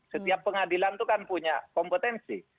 setiap pengadilan itu kan punya kompetensi